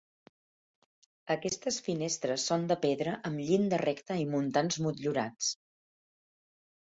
Aquestes finestres són de pedra amb llinda recta i muntants motllurats.